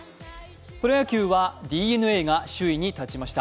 プロ野球はＤｅＮＡが首位に立ちました。